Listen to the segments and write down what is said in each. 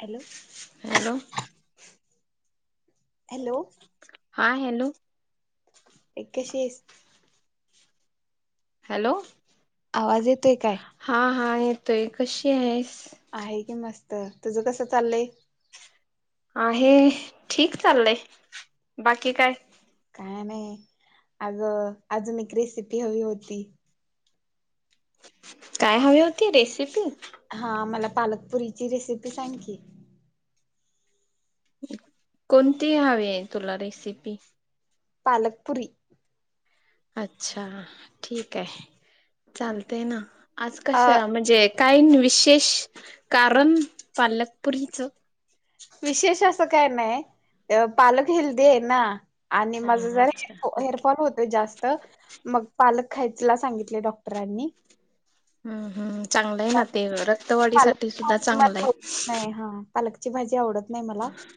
Hello hello hello हा hello ऐ कशी आहेस? हॅलो आवाज येतोय काय? हां हा येतोय कशी आहेस. आहे कि मस्त तुझं कसं चाललंय. आहे ठीक चाललंय बाकी काय? काय नाही अगं अजून एक रेसिपी हवी होती. काय हवी होती रेसिपी. हा मला पालकपुरीची रेसिपी सांग की. कोणती हवी हाय तुला रेसिपी. पालकपुरी. अच्छा ठीक आहे चालतय ना आज अ कशा म्हणजे. कायन विशेष कारण पालकपुरीचं. विशेष असं काय नाही पालक अ हेल्दी आहे ना! आणि माझ हा जरा अच्छा ओके हेअरफॉल होतोय जास्त. मग पालक खायचला सांगितली डॉक्टरांनी! हूं हूं! चांगलं आहे ना ते, रक्तवाढी साठी सुद्धा पालक मला चांगलं आहे. आवडत नाही हा पालकची भाजी आवडत नाही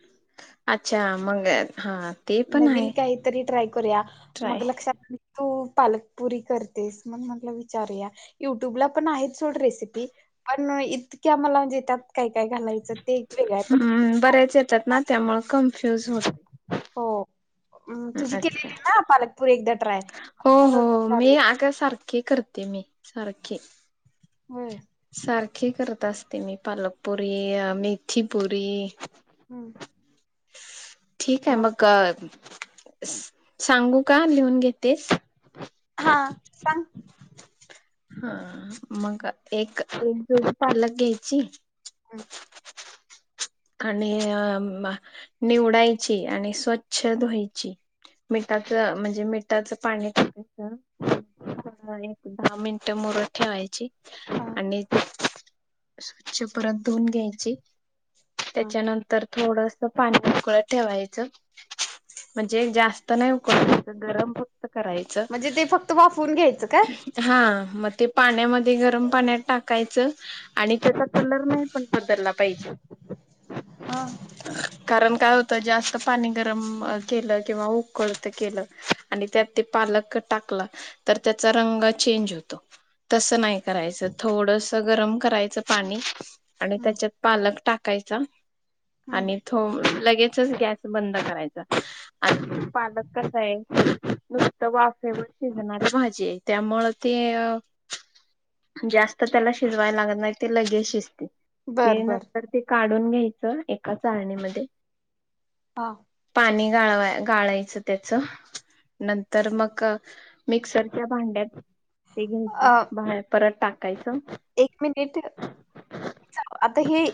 [inaudible] अच्छा मंग हा! ते पण आहे नवीन काहीतरी ट्राय करूया ट्राय मग लक्षात तू पालकपुरी करतेस मग म्हटलं विचारूया? युट्यूब ला पण आहेत सोड रेसिपी. अण इतक्या मला म्हणजे त्यात काय, काय घालायचं ते. वेगळं आहे पण हूं बऱ्याच येतात ना त्, यामुळे कन्फ्युज हो हो मं तुजी केलेली ना पालकपूरी एकदा ट्राय. हो हो मी अग सारखी करते मी सारखी. होय! सारखी असते मी पालकपुरी अ मेथी पुरी. हूं! ठीक आहे मक सांगू का लिहून घेतेस? हा सांग. हा मग एक एक जुडी पालक घ्यायची! अ! आणि अ मं निवडायची आणि स्वच्छ धुवायची. मिठाच म्हणजे मिठाच पाणी टाकायच आणि दहा मिनटं मुरत ठेवायची. हा! आणि स्वच्छ परत धुऊन घ्यायची. हा त्याच्यानंतर थोडस पाणी उकळत ठेवायचं. म्हणजे जास्त नाही उकळू द्यायचं, गरम फक्त कराय च म्हणजे ते फक्त वाफवून घ्यायचं काय हा म ते पाण्याम ते गरम पाण्यात टाकायचं, आणि त्याचा कलर नाही पण बदलला पाहिजे. हा! कारण काय होतं, जास्त पाणी गरम केलं किंवा उकळत केलं. आणि त्यात ते पालक टाकला, तर त्याचा रंग चेंज होतो तसं नाही. करायच थोडस गरम करायच पाणी, आणि हम्म त्याच्यात पालक टा कायचा हम्म आणि थो लगेचच गॅस बंद करायचा. आन पालक कसा आहे, नुसत वाफेवर शिजणारी भाजी हे. त्यामुळ ते! [inaudible] जास्त त्याला शिजवायला लागत नाही, ते लगेच शिजते. बर ते बर नंतर ते काढून घ्यायचं, एका चाळणीमध्ये. हा! पाणी गाळवाय-गाळायचं त्याचं नंतर मक! मिक्सरच्या भांड्यात ते घ्यायचं अ भां परत टाकायचं. एक मिनिट, आता हे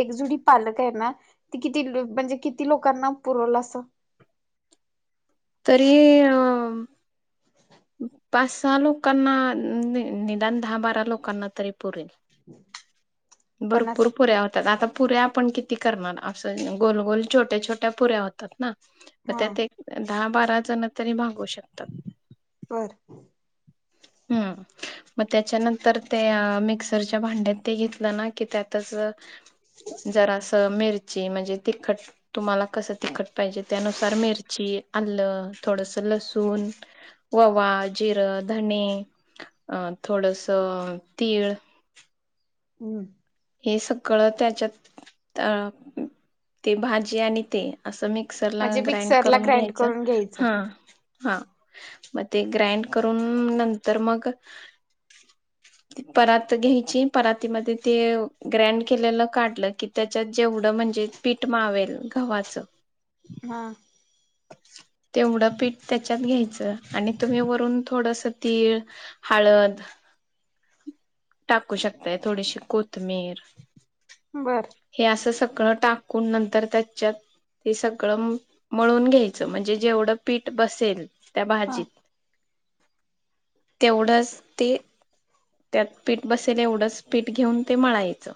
एकजुडी पालक आहे ना? ते किती म्हणजे किती लोकांना पुरल असं. तरी अ. पाच सहा लोकांना नि निदान दहा बारा लोकांना तरी पुरेल. पण असं भरपूर पुऱ्या होतात आत. पुऱ्या आपण किती करणार असं गोलगोल छोट्या छोट्या पुऱ्या होतात ना हा त्यात काय. दहा बारा जण तरी भागू शकतात. बर. हम्म. मग त्याच्यानंतर ते अ मिक्सरच्या भांड्यात ते घेतलं ना की त्यातच अ. जरास मिरची म्हणजे तिखट. तुम्हाला कसं तिखट पाहिजे त्यानुसार मिरची. आलं थोडस लसूण ओवा जिरं धणे. अ थोडस तीळ. हम्. हे सगळं त्याच्यात अ ते भाजी आणि ते. असं मिक्सर ला म्हणजे ग्राइंड मिक्सरला करून ग्राइंड घ्यायच करून घ्यायचं हम्म. हा मग ते ग्राइंड करून नंतर मग. परात घ्यायची पराती मध्ये ते. ग्रॅड केलेलं काढलं की त्याच्यात जेवढं म्हणजे पीठ मावेल गव्हाच. हा. तेवढं पीठ त्याच्यात घ्यायचं आणि तुम्ही वरून थोडस तीळ. हळद. टाकू शकताय थोडीशी कोथमीर. बरं. हे असं सगळं टाकून नंतर त्याच्यात. हे सगळं मळून घ्यायचं म्हणजे जेवढं पीठ बसेल. त्या हा भाजीत तेवढंच ते. त्यात पीठ बसेल एवढंच पीठ घेऊन ते मळायचं.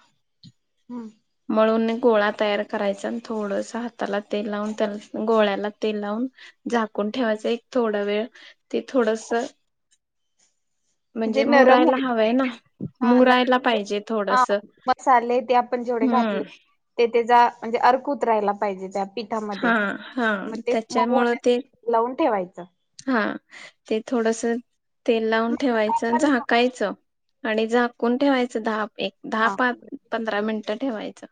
हम. मळून गोळा तयार करायचा अन थोडसं हाताला तेल लावून त्या गोळ्याला तेल लावून. झाकून ठेवायचं एक थोडा वेळ ते थोडसं. जे नरम होईल ते हवंय ना हा मुरायला नर पाहिजे आ. थोडस मसाले ते आपण जेवढे हम्म घातले ते त्याचा म्हणजे अर्क उतरायला पाहिजे त्यात. पिठामध्ये हा हा मग ते मऊ त्याच्यामुळं ते होण्यासाठी लावून ठेवायचं. हा ते थोडसं तेल लावून मग आता ठेवायचं अ आपण झाकायचं. आणि झाकून ठेवायचं दहा एक दहा हा पा पंधरा मिनिटं ठेवायचं.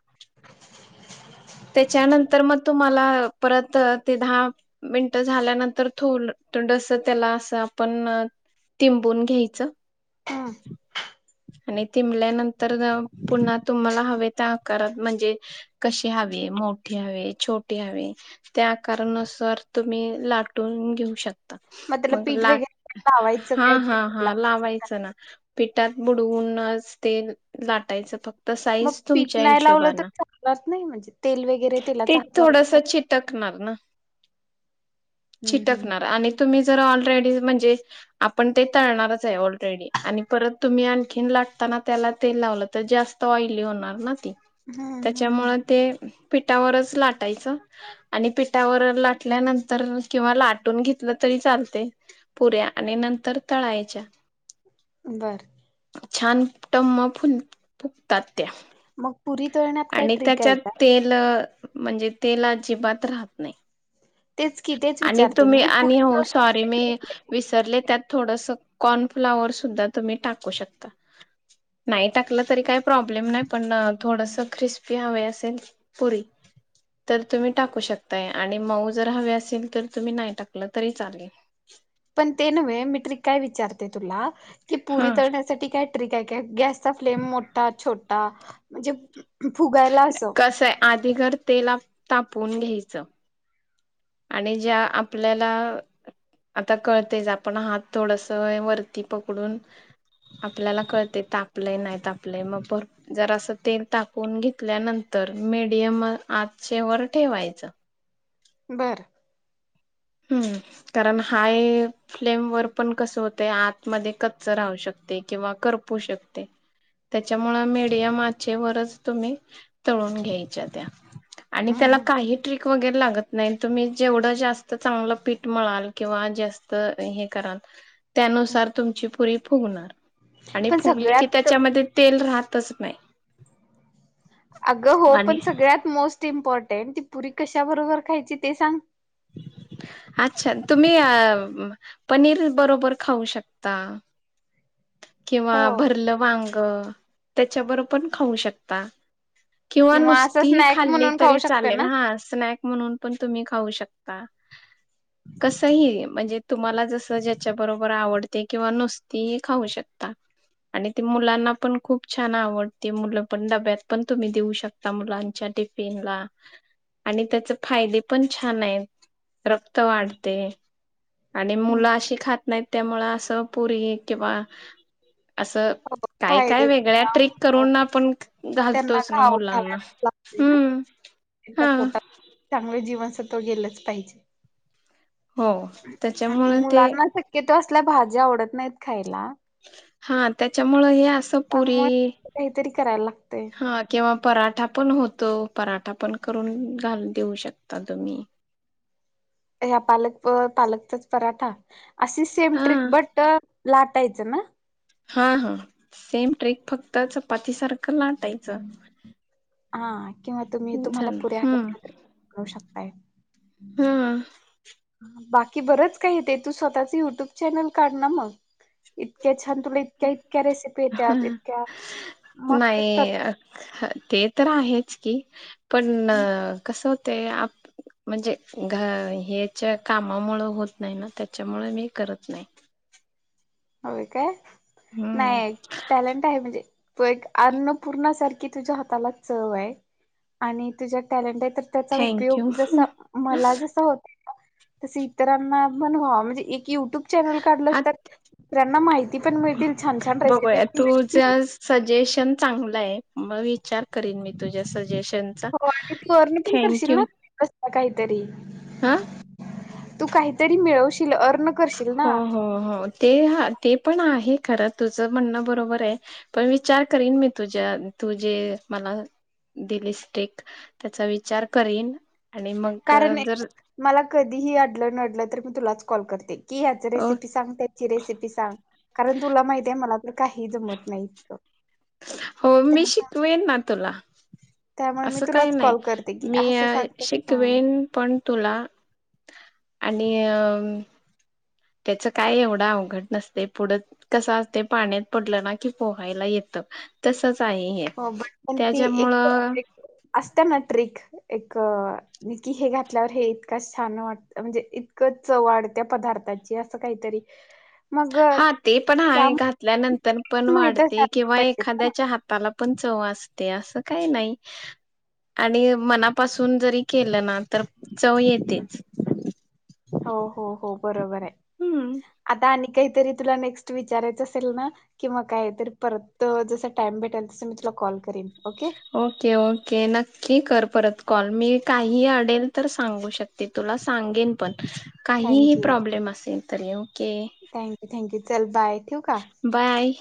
त्याच्यानंतर मग तुम्हाला परत ते दहा. मिनट झाल्यानंतर थोल डंस त्याला असं आपण अ्. तिंबून घ्यायचं. हम. आणि तिंबल्यानंतर [unintelligible] पुन्हा तुम्हाला हवे त्या आकारात म्हणजे कशी. [unintelligible] हवी मोठी हवे छोटी हवे. त्या आकारा नुसार तुम्ही लाटून घेऊ शक. त्याला मग पीठ लाट वगैरे लावायचं हा काय ते हा हा तेलात? लावायचं ना. पिठात बुडवूनच ते लाटायचं फक्त मग साईज पीठ तुमच्या नाही लावलं हिशोबानं. [unintelligible] नाही म्हणजे तेल वै. ते थोडंसं चिटकणार ना हम्म हम्म चिटकणार आणि तुम्ही जर ऑलरेडी म्हणजे आपण ते तळणारच आहे ऑलरेडी. आणि परत तुम्ही आणखीन लाटताना त्याला तेल लावलं तर जास्त ऑइली होणार ना ते. त्यांच्यामुळे हम्म ते पिठावरच लाटायचं. आणि पिठावर लाटल्यानंतर किंवा लाटून घेतलं तरी चालतंय. पुऱ्या आणि नंतर तळायच्या. बरं छान टम फुल फुगतात त्या. मग पुरी तळण्यात काय आणि ट्रिक आहे त्याच्यात का? तेल म्हणजे तेल अजिबात राहत नाही. तेच की तेच आणि विचारते तुम्ही मी आणि पुरी हो सॉरी. ते मी तळण्यात विसरले त्यात थोडस कॉर्नफ्लावर सुद्धा तुम्ही टाकू शकता. नाही टाकलं तरी काही प्रॉब्लेम नाही पण थोडस क्रिस्पी हवे असेल पुरी तर तुम्ही टाकू शकताय आणि मऊ जर हवे असेल तर तुम्ही नाही टाकलं तरी चालेल. पण ते नव्हे मी ट्रिक काय विचारते तुला की पुरी हा तळण्या साठी काय ट्रिक आहे गॅस चा फ्लेम मोठा छोटा म्हणजे फुगायला असं कसय आधी खर तेल तापून घ्यायचं. आणि ज्या आपल्याला आता कळतेच आपण हात थोडस वरती पकडून, आपल्याला कळतय तापलंय नाही तापलय मग जरास तेल तापउन घेतल्यानंतर मीडियम आचेवर ठेवायचं. बरं हम्म, कारण हाय फ्लेम वर पण कसं होतंय आतमध्ये कच्च राहू शकतय किंवा करपू शकतय. त्यांच्यामुळे मिडियम आचेवरच तुम्ही तळून घ्यायच्या त्या. आणि त्याला हम्म काही ट्रिक वगैरे लागत नाही तुम्ही जेवढं जास्त चांगलं पीठ मिळाल किंवा जास्त हे कराल, हम्म त्यानुसार तुमची पुरी फुगणार आणि पण फुगली की सगळ्यात त्यांच्यामध्ये तेल राहतच नाही. अगं हो आणि पण सगळ्यात मोस्ट इम्पॉर्टंट ती पुरी कशाबरोबर खायची ते सांग. अच्छा तुम्ही अ पनीर बरोबर खाऊ शकता. किंवा हो भरलं वांग त्याच्याबरो पण खाऊ शकता. किंवा असं नुसती स्नॅक खाल्ली म्हणून खाऊ तरी शकते चालेल ना. हा स्नॅक्. म्हणून पण तुम्ही खाऊ शकता. कसही म्हणजे तुम्हाला जस ज्याच्याबरोबर आवडते किंवा नुसती खाऊ शकता. आणि ते मुलांना पण खूप छान आवडते मुलं पण डब्यात पण तुम्ही देऊ शकता. मुलांच्या लंच टिफिन ला. आणि त्याचे फायदे छान आहेत रक्त वाढते. आणि मुलं हो अशी खात नाहीत त्यामुळं असं पुरी किंवा असं काय काय फायदे वेगळ्या ट्रिक करून आपण त्यांना घालतोच ना मुलांना. हम्म. त्याच्या हा पोटात चांगलं जीवनसत्व गेलंच पाहिजे. हो त्याच्यामुळे ते मुलांना शक्यतो असल्या भाज्या आवडत नाहीत खायला. हां, त्याच्यामुळ, हे असं पुरी, त्यामुळे काहीतरी करायला लागतय हां. किंवा पराठा पण होतो, पराठा पण करून, घाल देऊ शकता, तुम्ही. ह्या पालक, प-पालकचाच पराठा, अशी सेम हा ट्रिक, बट अ लाटायचं ना? हां हां, सेम ट्रीक, फक्त चपाती सारखं, लाटायचं. हां, किंवा तुम्ही, तुम्हाला झालं पुऱ्या हम्म [inaudible] करू शकताय, हा बाक कि बरंच काही, ते तू स्वतःच, युट्यूब चॅनल काढ ना, मग. इतक्या छान, तुला इतक्या-इतक्या रेसिपी येत्यात, इतक्या, मागचच कर नाही अ, ह, ते तर आहेच की, पण कस होतय, आप म्हणजे, घ ह्यच्या कामामुंळ, होत नही ना, त्याच्यामुळ, मी करत नाही. हो काय, हम्म नाही. टॅलेंट आहे, म्हणजे तू एक, अन्नपूर्णा सारखी, तुझ्या हाताला, चव ये. आणि तुझ्यात टॅलेंट ये, तर त्याचा थँक्यू उपयोग जसा, मला जसा होत तस इतरांना पण व्हा, म्हणजे एक युट्युब चॅनल हा काढलस तर त्यांना माहिती, पण मिळतील, छान-छान रेसिपी मिळतील तुझं सजेशन चांगलं ये, म मी विचार करीन, मी तुझ्या सजेशन हो आणि तू अर्न पण करशील ना, [inaudible] काही तरी? अं? तू काहीतरी मिळवशील, अर्न करशील हो ना हो हो, ते हा, ते पण आहे, खरं तुझं म्हणणं, बरोबर ये. पण विचार करीन, मी तुझ्या, तु जे मला दिलीस, ट्रिक त्याचा विचार करीन, आणि मग कारण एक, जर मला कधीही अडलं-नडलं तर, मी तुलाच कॉल करते, की ह्याच रेसिपी सांग, त्या ची रेसिपी सांग, कारण तुला माहिती ये, मला तर काही जमत नाही, इतकं. हो, मी त्या शिकवीन ना, तुला. त्यामुळे मी असं काही तुलाच नाही, कॉल करते की मी असं य सांग तसं सांग शिकवेन पण तुला, आणि अ त्याचं काय, एवढं अवघड नसते, पुढं कसं असते, पाण्यात, पडलं ना की, पोहायला येतं. तसच आहे हे, त्याच्यामुळं असताना ट्रिक, एक की हे घातल्यावर, हे इतकच छान वाटत, म्हणजे इतकं चव वाढत्या पदार्थाची, असं काहीतरी ह. [inaudible] हां, ते पण हाय, घातल्यानंतर पण माहित वाढते, असायला किंवा पाहिजेत ना एखाद्याच्या हात ला, पण चव असते, असं काही नाही. आणि मनापासून, जरी केलं ना, तर चव येतेच. हो हो हो, बरोबर य, हम्म आता आणि काहीतरी, तुला नेक्स्ट विचारायचं असेल ना? किंवा काय तर, परत जसं टाइम भेटल, तसं मी तुला कॉल करीन, ओके? ओके, ओके, नक्की कर परत कॉल, मी काहीही अडेल, तर सांगू शक ते, तुला सांगेन पण. काहीही थँक्यू प्रॉब्लेम असेल, तरी ओके? थँक्यू थँक्यू चल बाय ठेवू का बाय.